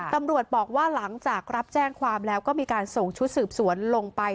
ตำรวจบอกว่าหลังจากรับแจ้งความแล้วก็มีการส่งชุดสืบสวนลงไป